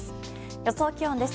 予想気温です。